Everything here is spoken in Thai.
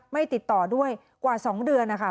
ไม่ติดต่อด้วยกว่า๒เดือนนะคะ